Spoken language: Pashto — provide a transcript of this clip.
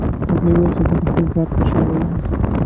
هغې وویل چې زه په خپل کار خوشحاله یم